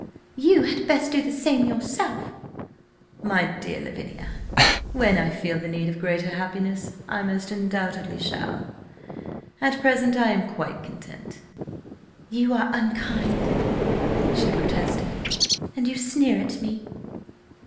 '" "You had best do the same yourself!" "My dear Lavinia, when I feel the need of greater happiness, I most undoubtedly shall. At present I am quite content." "You are unkind!" she protested. "And you sneer at me."